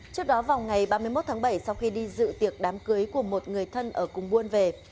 trước đó vào ngày ba mươi một tháng bảy sau khi đi dự tiệc đám cưới của một người thân ở cùng buôn về